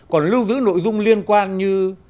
còn lưu giữ nội dung liên quan như